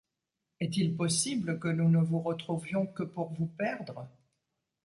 Est-il possible que nous ne vous retrouvions que pour vous perdre ?